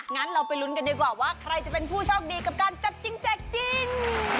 งั้นเราไปลุ้นกันดีกว่าว่าใครจะเป็นผู้โชคดีกับการจับจริงแจกจริง